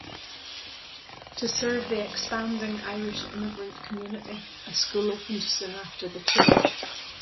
To serve the expanding Irish immigrant community, a school opened soon after the church.